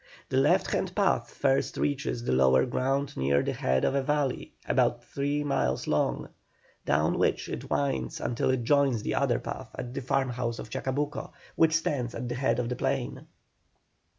The left hand path first reaches the lower ground near the head of a valley about three miles long, down which it winds until it joins the other path at the farmhouse of Chacabuco, which stands at the head of the plain.